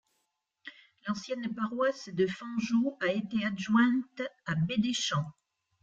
L'ancienne paroisse de Fanjeaux a été adjointe à Bédéchan.